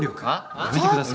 あぁ？やめてください。